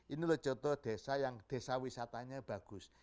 ini loh contoh desa yang desa wisatanya bagus